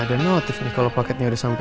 udah ada notif nih kalau paketnya udah sampe